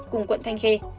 cùng quận thanh khê